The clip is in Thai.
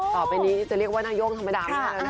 ต่อไปนี้จะเรียกว่านาย่งธรรมดามากเลยนะคะ